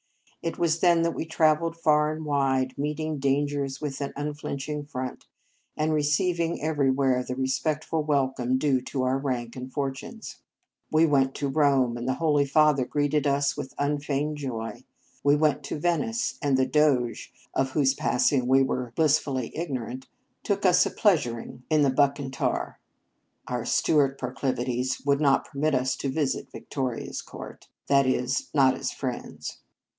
It was then that we trav elled far and wide, meeting dangers with an unflinching front, and receiv ing everywhere the respectful wel come due to our rank and fortunes. We went to Rome, and the Holy Father greeted us with unfeigned joy. We went to Venice, and the Doge of whose passing we were blissfully ignorant took us a pleasuring in the 169 In Our Convent Days Bucentaur. Our Stuart proclivities would not permit us to visit Victoria s court, that is, not as friends.